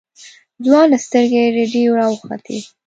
ځوان سترگې رډې راوختې.